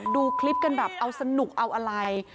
ดูคลิปกันแบบเอาสนุกไง